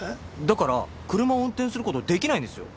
だから車を運転することできないんですよ。